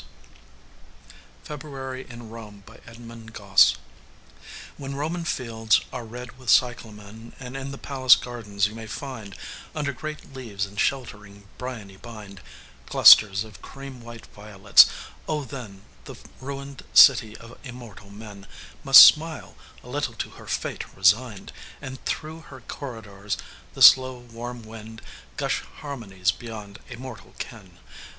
] FEBRUARY IN ROME When Roman fields are red with cyclamen, And in the palace gardens you may find, Under great leaves and sheltering briony bind, Clusters of cream white violets, oh then The ruined city of immortal men Must smile, a little to her fate resigned, And through her corridors the slow warm wind Gush harmonies beyond a mortal ken.